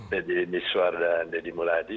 dini miswa dan dini mulyadi